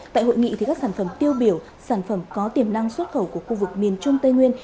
tại hội nghị các sản phẩm tiêu biểu sản phẩm có tiềm năng xuất khẩu của khu vực miền trung tây nguyên